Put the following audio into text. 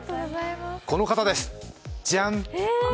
この方です、ジャン！